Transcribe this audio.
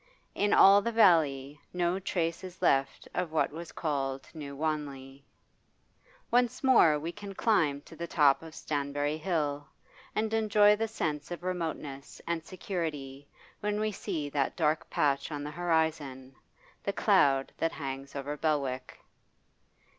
In all the valley no trace is left of what was called New Wanley. Once more we can climb to the top of Stanbury Hill and enjoy the sense of remoteness and security when we see that dark patch on the horizon, the cloud that hangs over Belwick.